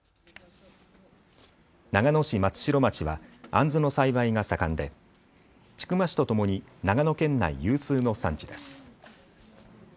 長野市松代町はあんずの栽培が盛んで千曲市とともに長野県内有数の産地です。